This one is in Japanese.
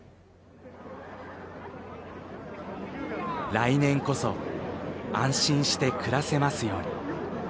来年こそ安心して暮らせますように。